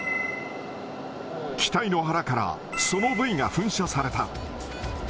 機体の腹からソノブイが噴射された。